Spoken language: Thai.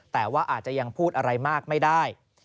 แต่ว่าอาจจะยังพูดอะไรมากไม่ได้